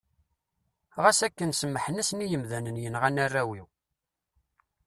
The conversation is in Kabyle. Ɣas akken, semmḥen-asen i yimdanen yenɣan arraw-iw.